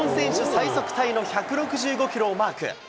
最速タイの１６５キロをマーク。